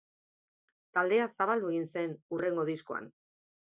Taldea zabaldu egin zen hurrengo diskoan.